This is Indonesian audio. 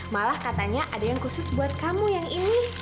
malah katanya ada yang khusus buat kamu yang ingin